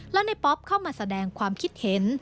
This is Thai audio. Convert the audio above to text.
แล้วในป๊อปเข้ามาแสดงความคิดเห็น